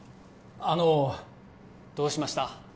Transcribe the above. あのどうしました？